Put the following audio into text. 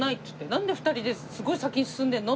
なんで２人ですごい先に進んでるの？